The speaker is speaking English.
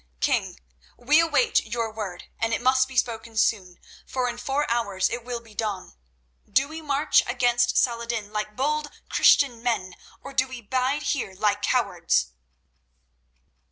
"King, we await your word, and it must be spoken soon, for in four hours it will be dawn. Do we march against Saladin like bold, Christian men, or do we bide here like cowards?"